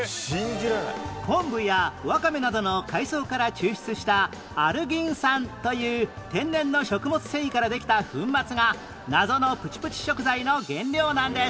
昆布やワカメなどの海藻から抽出したアルギン酸という天然の食物繊維からできた粉末が謎のプチプチ食材の原料なんです